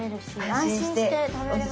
安心して食べれますよね。